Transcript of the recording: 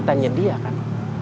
sehatannya dia kan